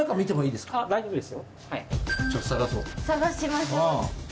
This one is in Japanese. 探しましょう。